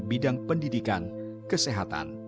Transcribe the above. bidang pendidikan kesehatan